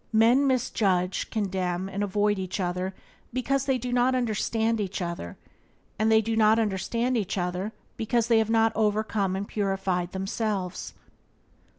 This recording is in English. Men misjudge, condemn, and avoid each other because they do not understand each other, and they do not understand each other because they have not overcome and purified themselves.